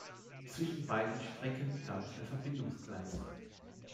Zwischen beiden Strecken gab es ein Verbindungsgleis.